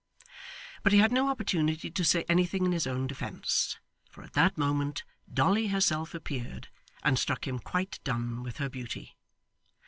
But he had no opportunity to say anything in his own defence, for at that moment Dolly herself appeared, and struck him quite dumb with her beauty.